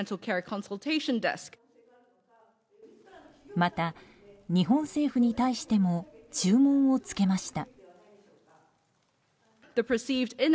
また、日本政府に対しても注文をつけました。